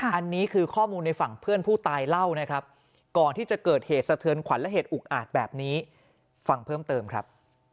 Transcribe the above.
อันนี้คือข้อมูลในฝั่งเพื่อนผู้ตายเล่านะครับก่อนที่จะเกิดเหตุสะเทือนขวัญและเหตุอุกอาจแบบนี้ฟังเพิ่มเติมครับ